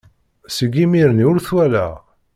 Seg yimir-nni ur t-walaɣ.